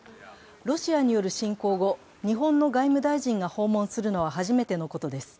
ロシアによる侵攻後、日本の外務大臣が訪問するのは初めてのことです。